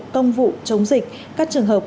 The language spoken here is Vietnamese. công vụ chống dịch các trường hợp